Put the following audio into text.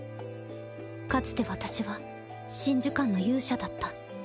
かつて私は神樹館の勇者だった。